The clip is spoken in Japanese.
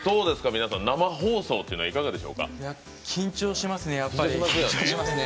皆さん生放送というのは緊張しますね。